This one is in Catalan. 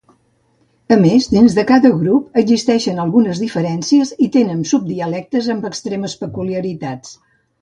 A més, dins de cada grup existeixen algunes diferències i tenen subdialectes amb extremes peculiaritats.